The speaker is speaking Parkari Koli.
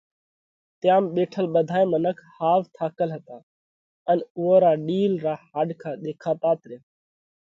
تيام ٻيٺل ٻڌائي منک ۿاوَ ٿاڪل هتا ان اُوئون را ڏِيل را هاڏکا ۮيکاتات ريا۔